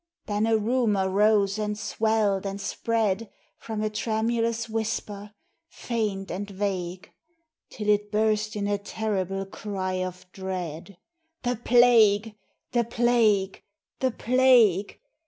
Then a rumor rose and swelled and spread From a tremulous whisper, faint and vague, Till it burst in a terrible cry of dread, _The plague! the plague! the plague!